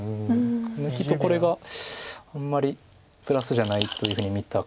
抜きとこれがあんまりプラスじゃないというふうに見たか。